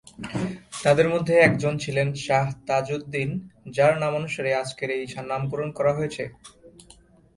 তাঁদের মধ্যে একজন ছিলেন শাহ তাজউদ্দিন যার নামানুসারে আজকের এই নামকরণ করা হয়েছে।